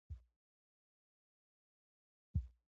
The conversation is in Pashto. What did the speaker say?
دوی به خپل مړي ښخوي.